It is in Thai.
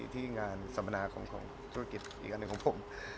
ที่งานสัมมนาของธุรกิจอีกอันหนึ่งของผม